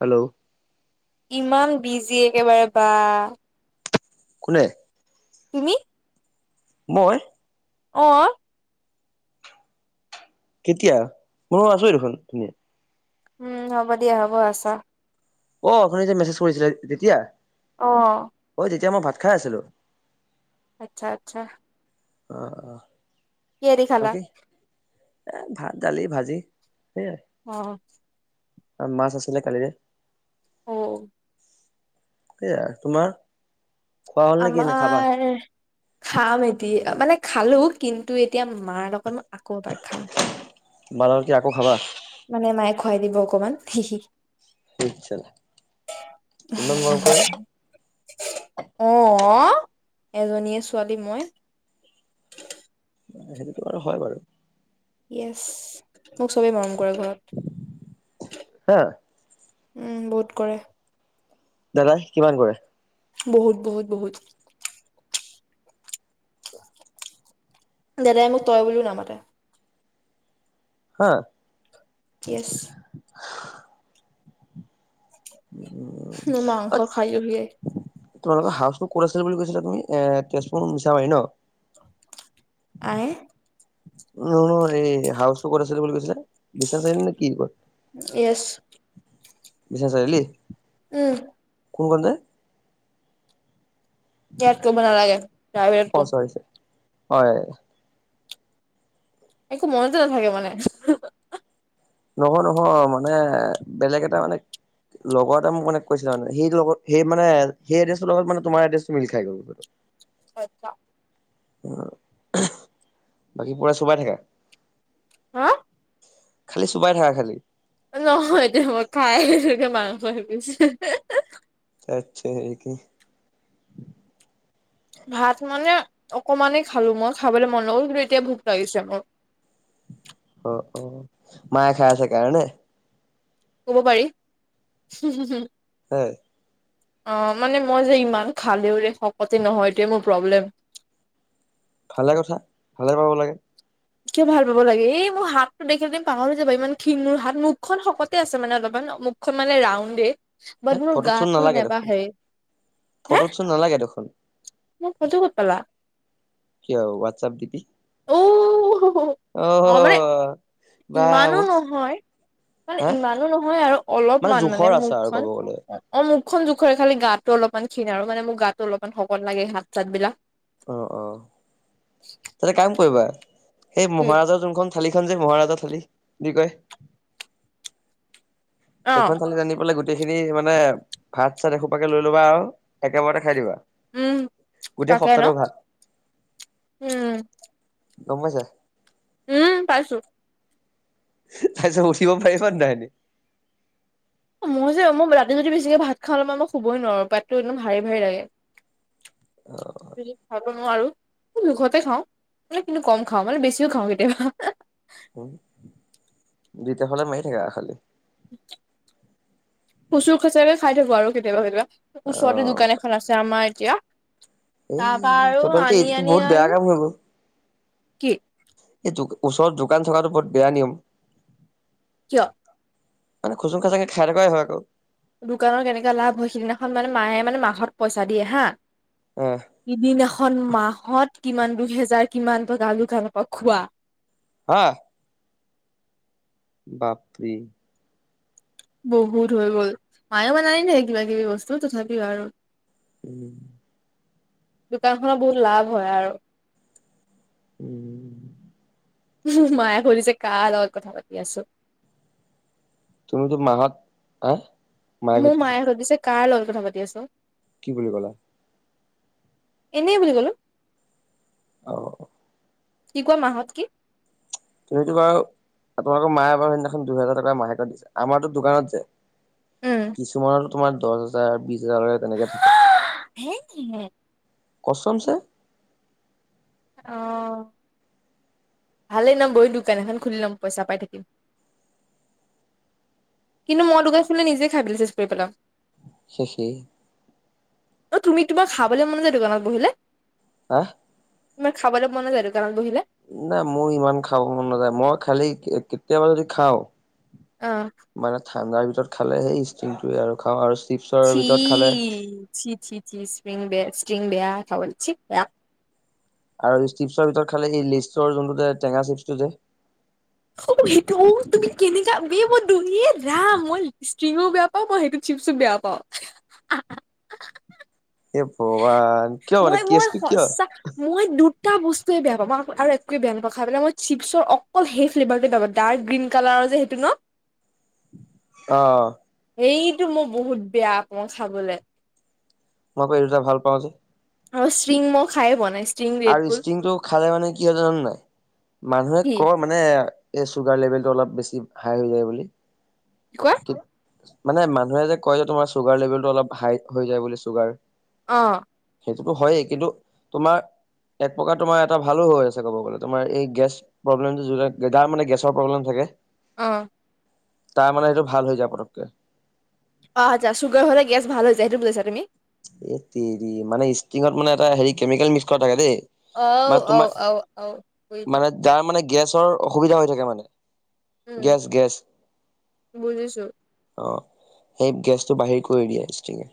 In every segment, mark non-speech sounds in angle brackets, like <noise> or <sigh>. Hello ইমান busy একেবাৰে বা কোনে? তুমি? মই? অ কেতিয়া? মই আছোই দেখোন এনে। উম হ'ব দিয়া হ'ব আছা। অ আপুনি যে মেছেজ কৰিছিলে তেতিয়া? অ। ঐ তেতিয়া মই ভাত খাই আছিলো। আচ্ছা আচ্ছা। অ অ কিহেদি খালা? বাকি? এ ভাত, দালি, ভাজি সেইয়াই। অ। মাছ আছিলে কালিৰে। অ। টোৱে আৰ। তোমাৰ? খোৱা হ'ল নেকি নে খাবা আমাৰ খাম এটি মানে খালো কিন্তু এতিয়া মাৰ লগত মই আকৌ এবাৰ খাম। মা লগত কি আকৌ খাবা? মানে মায়ে খুৱাই দিব অকণ মান হিহি ইচ চালা, ইমান মৰম কৰে নে <unintelligible> অ এজনীয়ে ছোৱালী মই। সেইটো আৰু হয় বাৰু। ইয়েছ মোক চবেই মৰম কৰে ঘৰত। হা উম বহুত কৰে। দাদা কিমান কৰে? বহুত বহুত বহুত। দাদাই মোক তই বুলিও নামাতে। হা ইয়েছ। মোৰ অ মাংস খাই <unintelligible> তোমালোকৰ হাউচ ক'ত আছিলে বুলি কৈছিলা তুমি? এ তেজপুৰ মিছা মাৰি ন? আএ <unintelligible> এই হাউচ টো ক'ত আছিলো বুলি কৈছিলা? বিশ্বনাথ চাৰিআলি নে কি বাৰু? য়েছ বিশ্বনাথ চাৰিআলি? উম। কোন ফালে? ইয়াত কব নালাগে। প্ৰাইভেটত অ কম <unintelligible> হয় একো মনতে নাথাকে মানে। নহয় নহয় মানে বেলেগ এটা মানে লগৰ এটা মোক মানে কৈছিলে মানে সেই লগত সেই মানে সেই এড্ৰেছটোৰ লগত মানে তোমাৰ এড্ৰেছটোৰ মিল খাই গ'ল। <unintelligible> অহ বাকী পুৰা চোবাই থাকা? হা? খালী চোবাই থাকা খালী। নহয় এতিয়া মই খাই আছো মাংস এপিছ <inaudible> <inaudible> ভাত মানে অকমানেই খালো মই খাবলৈ মন নগ'ল কিন্তু এতিয়া ভোক লাগিছে মোৰ। অ অ, মায়ে খাই আছে কাৰণে? কব পাৰি হুম হুহ হে অ মানে মই যে ইমান খালেওঁ ৰে শকতে নহয় সেইটোৱে মোৰ প্ৰব্লেম। ভালে কথা ভালে পাব লাগে। কিয় ভাল পাব লাগে এই মোৰ হাতটো দেখিলে তুমি পাগল হৈ যাবা ইমান ক্ষীণ মোৰ হাত মুখখন শকতে আছে মানে অলপমান মুখ খন মানে ৰাউণ্ডেই হে বাট মোৰ ফটোত চোন গাটো নেবাঢ়ে, হে টো নালাগে দেখোন। মোৰ ফোটো ক'ত পালা? কিয় ওৱাটছআপ দিপি। অহ হো হো অ মানে বা ইমানো মোক নহয়। মানে হা ইমানো নহয় আৰু অলপমান মানে জোখৰ আচাৰ আৰু মুখখন। ক'ব গ'লে অ মুখখন জোখৰে খালি গাটো অলপমান ক্ষিণ আৰু মানে মোৰ গাটো অলপমান শকত লাগে হাত চাত বিলাক। অহ অহ এটা কাম কৰিবা সেই কি মহাৰাজৰ যোনখন থালি খন যে মহাৰাজা থালি দি কয় অ সেইখন থালী আনি পেলাই গোটেই খিনি মানে ভাত চাত এসোপাকে লৈ ল'বা আৰু একেবাৰতে খাই দিবা। উম গোটেই তাকে ন সপ্তাহটো ভাত, উম গম পাইছা। উম পাইছোঁ। তাৰপিছত উঠিব পাৰিবা নাই হেটি? ও মোৰ যে মোৰ ৰাতি যদি বেছিকে ভাত খালে মই মই শুবোই নোৱাৰো পেতটো একদম ভাৰি ভাৰি লাগে। <inaudible> খাবা নোৱাৰো, জোখতে খাওঁ মানে কিন্তু কম খাওঁ মানে বেছিও খাওঁ কেতিয়াবা। উম যেতিয়া হ'লে মাৰি থাকে আৰু খালি। খচুৰ খাচাৰাকে খাই থাকো আৰু কেতিয়াবা কেতিয়াবা, অ ওচৰতে দোকান এ খন আছে আমাৰ এতিয়া। এই তাৰ পৰা আৰু তেতিয়া হ'লে আনি এইটো আনি বহুত আৰু বেয়া কাম হৈ গ'ল। কি এই দো ওচৰত দোকান থকাটো বহুত বেয়া নিয়ম। কিয়? মানে খুচুং খাচাঙকে খাই থকাই হয় আকৌ। দোকানৰ কেনেকুৱা লাভ হয় সিদিনাখন মানে মায়ে মানে মাহত পইচা দিয়ে হা অহ। সিদিনা খন মাহত কিমান দুই হেজাৰ কিমানটো তাৰ দোকানৰ পৰা খোৱা। হা বাপৰি। বহুত হৈ গ'ল মায়েও মানে আনি থাকে কিবা কিবি বস্তু তথাপিও আৰু। উম। দোকান খনত বহুত লাভ হয় আৰু। উম। মায়ে সুধিছে কাৰ লগত কথা পাতি আছো। তুমিতো মাহত হা মোৰ মায়ে সুধিছে কাৰ লগত কথা পাতি আছ? কি বুলি ক'লা? এনেই বুলি ক'লো। অ কি কোৱা মাহঁত কি? তুমিতো বাৰু আপোনালোকৰ মায়ে বাৰু সেইদিনাখন দুহেজাৰ টকা মাহেকত দিছে। আমাৰতো দোকানত যে উম কিছুমানৰতো তোমাৰ দহ হাজাৰ বিশ হাজাৰলৈকে তেনেকে থাকে। <unintelligible> কচমছে। অহ ভালেই ন মইয়ো দোকান এখন খুলি ল'ম পইচা পাই থাকিম। কিন্তু মই দোকান খুলিলে নিজে খাই পেলাই চেচ কৰি পেলাম। শেষেই অ তুমি তোমাৰ খাবলৈ মন যায় দোকানত বহিলে? হাঁ তোমাৰ খাবলে মন নেযায় দোকানত বহিলে? নাই মোৰ ইমান খাব মন নাযায়, মই খালি কেতিয়াবা যদি খাওঁ। অ মানে ঠাণ্ডাৰ ভিতৰত খালে সেই ষ্টিংটোৱে আৰু খাওঁ, আৰু চিপছৰ চি ভিতৰত খালে চি চি চি স্প্ৰিং বে ষ্টিং বেয়া খাবলে চি আৰু এই চিপছৰ ভিতৰত খালে এই লেইছৰ যোনটো টেঙা চিপছটো যে অ সেইটো অ তুমি কেনেকা বে মই দৌৰিয়ে ৰাম মই ষ্টিংও বেয়া পাওঁ। অ মই সেইটো চিপচো বেয়া পাওঁ। এ ভগৱান কিয় মানে মই মই কেছটো কিয়? সঁচা মই দুটা বস্তুৱে বেয়া পাওঁ মই আৰু একোৱে বেয়া নাপাওঁ খাই পেলাই মই চিপছৰ অকল সেই ফ্লেভাৰ টোৱে বেয়া পাওঁ। ডাৰ্ক গ্ৰীণ কালাৰৰ যে সেইটো ন। অঁ সেইতো মই বহুত বেয়া পাওঁ খাবলে। মই আকৌ এই দুটা ভাল পাওঁ যে। অ ষ্টিং মই খাই পোৱা নাই। ষ্ট্ৰিং আৰু ৰেডবুল ষ্টিংটো খালে মানে কি হয় জাননে নাই? মানুহে কি কয় মানে এই চুগাৰ লেভেল টো অলপ বেছি হাই হৈ যায় বুলি। কি কোৱা মানে মানুহে যে কয় যে তোমাৰ চুগাৰ লেভেলটো অলপ হাই হৈ যায় বুলি চুগাৰ। অ সেইটোতো হয়েই কিন্তু তোমাৰ এক প্ৰকাৰ তোমাৰ এটা ভালো হৈ আছে কব গ'লে তোমাৰ এই গেছ প্ৰব্লেমটো যোনে যাৰ মানে গেছৰ প্ৰব্লেম থাকে। অ তাৰ মানে সেইটো ভাল হৈ যায় পটককে। চুগাৰ হ'লে গেছ ভাল হৈ যায় সেইটো বুজাইছাঁ তুমি। এৎতেৰি মানে ষ্টিঙত মানে এটা হেৰি কেমিকেল মিক্স কৰা থাকে দেই। মানে তোমাৰ মানে <unintelligible> যাৰ মানে গেছৰ অসুবিধা হৈ থাকে মানে। উম, গেছ গেছ বুজিছো অ সেই গেছটো বাহিৰ কৰি দিয়ে ষ্টিঙে।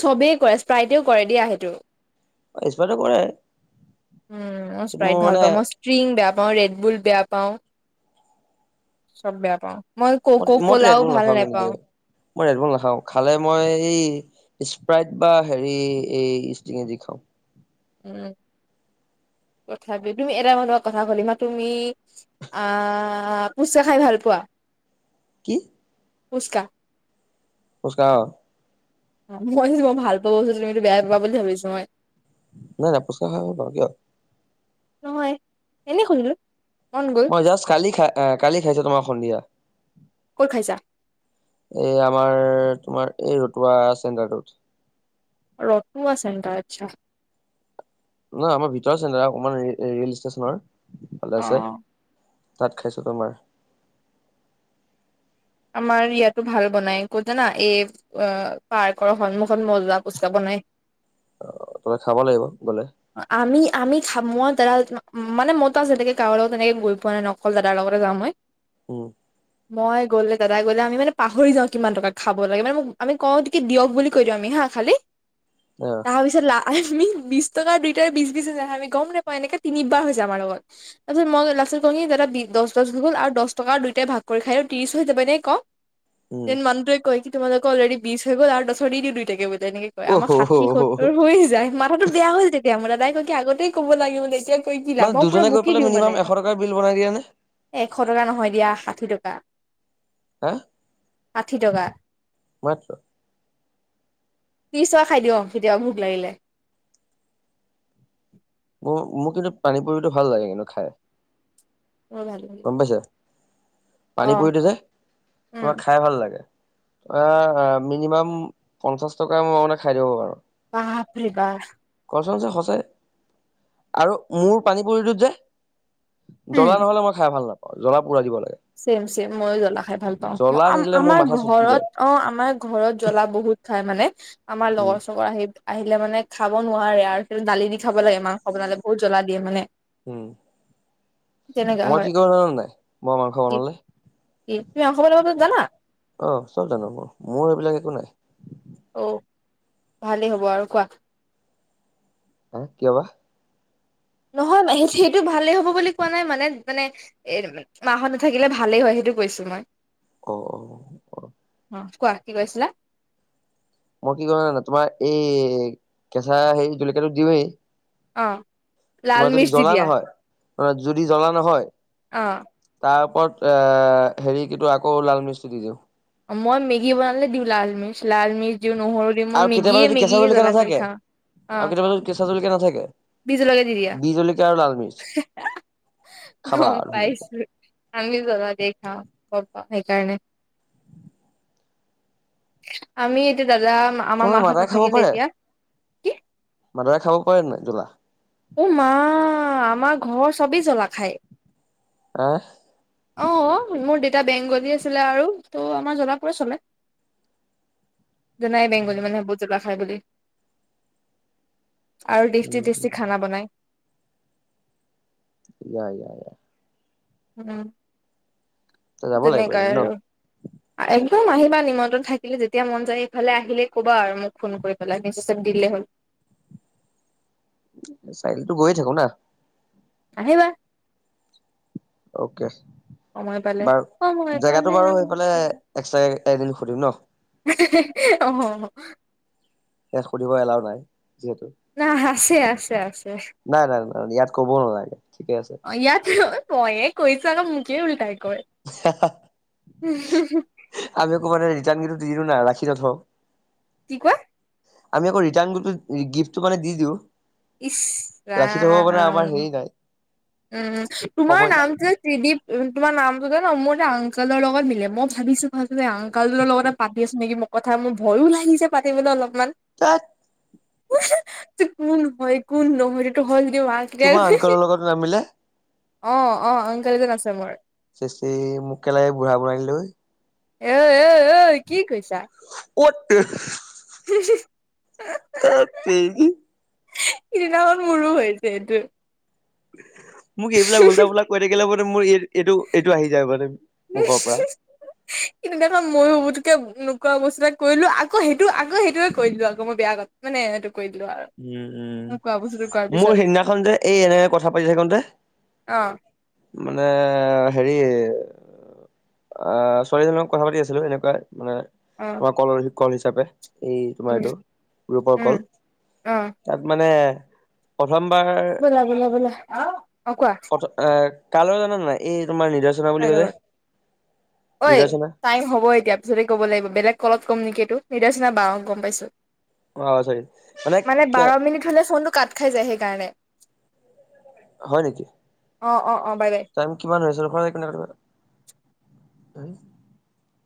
চবেই কৰে স্প্ৰাইটেও কৰে দিয়া সেইটো। কৰে উম মই কিন্তু স্প্ৰাইট মোৰ ভাল পাওঁ মানে মই। ষ্ট্ৰিং বেয়া পাওঁ, ৰেডবুল বেয়া পাওঁ, চব বেয়া পাওঁ। মই কক' মইতো কোলাও ৰেডবুল ভাল নাখাওঁ কিন্তু দেই নেপাও মই ৰেডবোল নাখাও খালে মই এই স্প্ৰাইট বা হেৰি এই ষ্টিঙে যি খাও উম তথাপি তুমি এটা মানুহ কথা শুনিবা তুমি আ ফুচকা খাই ভাল পোৱা কি ফুচকা ফুচকা মই যোনটো ভাল পোৱা বস্তুতো তুমিতো বেয়াই পাবা বুলি ভাবিছো মই নাই নাই ফুচকা খাই বাৰু কিয় নহয় এনে শুধিলো মন গৈ মই জাষ্ট কালি খাই এ কালি খাইছো তোমাৰ সন্ধিয়া। ক'ত খাইছা এই আমাৰ তোমাৰ এই ৰতুৱা চেণ্টাৰটোত। ৰতুৱা চেণ্টাৰ আচ্ছা নহয় আমাৰ ভিতৰুৱা চেণ্টাৰ অকমান ৰে ৰেল ষ্টেচনৰ সিফালে আছে অ'। তাত খাইছো তোমাৰ আমাৰ ইয়াতো ভাল বনাই ক'ত জানা এই অ পাৰ্কৰ সন্মুখত মজা ফুচকা বনাই। অ তুমি খাব লাগিব গ'লে আমি আমি খা মই ধৰা মানে মইতো আজিলৈকে কাৰো লগত তেনেকে গৈ পোৱা নাই অকল দাদাৰ লগত যাও মই উম মই গ'লে দাদাই গ'লে আমি মানে পাহৰি যাও কিমান টকা খাব লাগে মানে মোক আমি কও কি দিয়ক বুলি কৈ দিও আমি হা খালি <inaudible> অ তাৰপিছত লা আমি বিশ টকা দুইটাৰ বিশ বিশ হৈ যায় আমি গম নাপাও এনেকে তিনিবাৰ হৈছে আমাৰ লগত তাৰপিছত মই লাষ্টত কও কি দাদা বি দহ দহ হৈ গ'ল আৰু দহ টকা দুইটাই ভাগ কৰি খাই আৰু ত্ৰিশ হৈ যা মানে কম উম যেন মানুহটোৱে কয় কি তোমোলোকৰ অলৰেডি বিশ হৈ গ'ল আৰু দছৰ দি দিও দুইটাকে বোলে এনেকে অ আমাৰ হ হ ষাঠি হ সত্তৰ হৈয়ে যায় মাথাতো বেয়া হ'ল তেতিয়া মোৰ দাদাই কয় কি আগতেই ক'ব লাগে বুলে তেতিয়া কৈ কি মানে লাভ মই পুৰা দুজনে গৈ বুকি পেলাই দিও মিনিমাম মানে এশ টকাৰ বিল বনাই দিয়ে নে এশ টকা নহয় দিয়া ষাঠি টকা হে ষাঠি টকা মাত্ৰ ত্ৰিছ টকা খাই দিও কেতিয়াবা ভোক লাগিলে মোৰ মোৰ কিন্তু পানী পুৰীতো ভাল লাগে কিন্তু খাই অ ভাল লাগে গম পাইছে অ পানী পুৰিতো যে উম তোমাৰ খাই ভাল লাগে আ মিনিমাম পঞ্চাশ টকা মই মানে খাই দিব পাৰো বাপৰে বা কছমচে সঁচা আৰু মোৰ পানী পুৰিটোত যে উম জ্বলা নহ'লে মই খাই ভাল নাপাও জ্বলা পূৰা দিব লাগে। ছেম ছেম মইয়ো জ্বলা খাই ভাল পাও জ্বলা নিদিলে মোৰ আমাৰ মাথা চুটকি ঘৰত যায় অ' আমাৰ ঘৰত জ্বলা বহুত খাই মানে আমাৰ উম লগৰ চগৰ আহি আহিলে মানে খাব নোৱাৰে আৰু সেই দালি দি খাব লাগে মাংস বনালে বহুত জ্বলা দিয়ে মানে উম তেনেকা হয়। ভাল হয় নাই মই মাংস কি বনালে কি তুমি অসম বনাব জানা অঁ চব জানো মোৰ মোৰ এইবিলাক একো নাই- অঁ! ভালেই হ'ব আৰু কোৱা। হা কিয় বা? নহয় সেইটো ভালেই হ'ব বুলি কোৱা নাই মানে মানে- এ মাহত নাথাকিলে ভালেই হয় সেইটো কৈছো মই। অঁ অঁ অঁ! অহ কোৱা কি কৈছিলা? মই কি কৰো জানা তোমাৰ এই কেঁচা হেই জলকীয়াটো দিওঁৱেই। অঁহ! তোমাৰ যদি জ্বলা নহয় তাৰ যদি জ্বলা নহয়- তাৰ ওপৰত এ হেৰি কিন্তু আকৌ লাল মিচটো দি দিওঁ। মই মেগী বনালে দিওঁ লালমিচ লালমিচ দিওঁ নহৰু দি- আৰু কেতিয়াবা যদি কেঁচা জলকীয়া নাথাকে অ আৰু কেতিয়াবা যদি- কেচা জলকীয়া নাথাকে বি জলকীয়া আৰু লালমিচ- হে আহ গম ধুনীয়াকে পাইছোঁয়ে। আমি জাবো দেখা কোৰবা সেইকাৰণে আমি এতিয়া দাদা আমাৰ তোমালোকৰ মাহত মাদাৰে খাব নাথাকিলে পাৰে এতিয়া। কি মাদাৰে খাব পাৰে নে নাই জোলা। অঁ মা আমাৰ ঘৰৰ চবেই জ্বলা খায়। আহ! অঁ মোৰ দেউতা বেংগলী আছিলে আৰু তো' আমাৰ জ্বলা-পুৰা চলে। যানাই বেংগলী মানুহে বহুত‌ জ্বলা খায় বুলি। আৰু টেষ্টি উম টেষ্টি উম খানা বনাই। ইয়া ইয়া ইয়া। তই উমঁ যাব লাগিব তেনেকাই এদিন আৰু। ন একদম আহিবা নিমন্ত্ৰণ থাকিলে যেতিয়া মন যায় ইফালে আহিলে ক'বা আৰু মোক ফোন কৰি পেলাই মেছেচত দিলে হ'ল। চাৰআলীটো গৈয়ে থাকো না। আহিবা। ওকে সময় পালে বাৰু সময় জেগাটো পালে বাৰু সময় সেইফালে এক্সট্ৰাকে এদিন সুধিম ন। ইহিহি অহহ ইয়াত সুধিব এলাও নাই যিহেতু। না আছে আছে আছে নাই নাই নাই ইয়াত ক'বও নালাগে ঠিকে আছে অঁ ইয়াতেও- ময়ে কৈছো আকৌ মুকেয়ে উল্টাই কয়। হাহা আমি কৱ মানে ৰিটাৰ্ণ ক দি দিও নাই ৰাখি নথওঁ কি কোৱা। আমি আকৌ ৰিট্যাৰ্ণ গিফ্টটো মানে দি দিওঁ। ইশ ৰাখি থব মানে আমাৰ ৰাম। হেৰি নাই উমঁ তোমাৰ সময় নাই নামটো? ট্ৰিদিপ তোমাৰ নামটো জানো মোৰ এটা আং কোলৰ লগত মিলে মই ভাবিছো ভাল যে আংকলৰ লগতে পাতি আছো নেকি মোক। কথা মোৰ ভয়ো লাগিছে পাতিবলৈ অলপমান। তেইত। যে কোন হয় কোন নহয় তেটো হলগে বাছ- তোমাৰ আংকলৰ লগত নামিলে। অঁ অঁ আংকল এজন আছে মোৰ। চেচেই মোক কেলা এই বুঢ়া বনাই দিলে ঐ। এ ঐ ঐ কি কৈছা? অট তেৰি, তেত তেৰী। সিদিনাখন মোৰো হৈছে এইটো। মোক এইবিলাক উল্টা পুল্টা কৈ থাকিলে মানে মোৰ এই এইটো এইটো আহি যায় মানে মুখৰ পৰা। উ <unintelligible> সিদিনাখন ময়ো বুটুককে নোকোৱা বস্তু এটা কৰিলো আকৌ সেইটো আকৌ সেইটোৱে কৰিলো আকৌ মই বেয়া কথ- মানে সেইটো কৰি দিলো আৰ- উম' উম' মোৰ সেইদিনাখন যে এই এনেকে কথা পাতি থাকনতে- অঁ' মানে হেৰি এ- আঁহ ছোৱালী এজনী লগত কথা পাতি আছিলো, এনেকুৱাই মানে- অঁ' কল কল হিচাপে, এই তোমাৰ এইটো, গ্ৰূপৰ কল। অঁ' তাত মানে- প্ৰথমবাৰ- ব'লা ব'লা ব'লা, অ' কোৱা। এঁ কাৰ লগত জানা নাই, এই তোমাৰ নিজছ- কাৰ লগত, ঐ- নিৰ্দেচনা টাইম হ'ব এতিয়া পিছতে ক'ব লাগিব বেলেগ কলত কম নেকি এইটো, নিদ নিচিনা বা গম পাইছো। অ চৰি মানে বাৰ মিনিট হ'লে ফোনটো কাট খাই যায় সেইকাৰণে। হয় নেকি। অঁ' অঁ' অঁ', বাই বাই। টাইম কিমান হৈ আছে? ৰখা একমিনিট ৰখিবা।